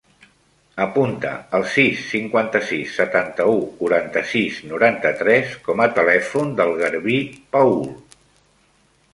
Apunta el sis, cinquanta-sis, setanta-u, quaranta-sis, noranta-tres com a telèfon del Garbí Paul.